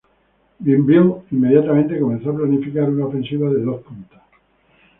Bienville inmediatamente comenzó a planificar una ofensiva de dos puntas.